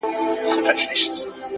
باور د هڅې لومړی قدم دی,